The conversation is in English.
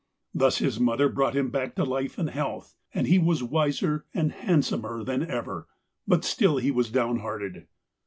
Thus his mother brought him back to life and health, and he was wiser and handsomer than ever, but still he was downhearted.